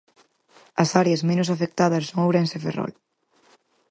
As áreas menos afectadas son Ourense e Ferrol.